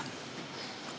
mama akan tinggal diam